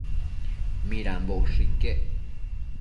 Midambo ushë iquec